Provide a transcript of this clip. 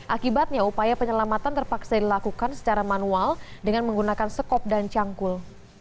akibatnya upaya penyelamatan terpaksa dilakukan secara manual dengan menggunakan sekop dan cangkul